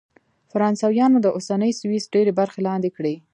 فرانسویانو د اوسني سویس ډېرې برخې لاندې کړې.